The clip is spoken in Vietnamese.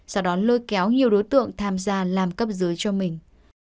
sau đó lôi kéo nhiều đối tượng tham gia làm cấp dưới cho mình